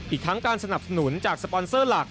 อีกทั้งการสนับสนุนจากสปอนเซอร์หลัก